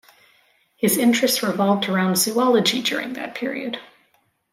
His interests revolved around zoology during that period.